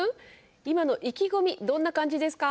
今の意気込みどんな感じですか？